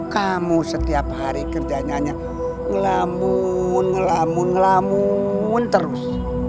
kamu setiap hari kerjanya ngelamun ngelamun ngelamun terus